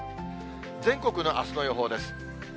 全国のあすの予報です。